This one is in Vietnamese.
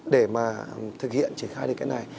để mà thực hiện triển khai được cái này